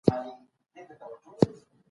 تاریخ د خلګو د غولولو لپاره مه لیکئ.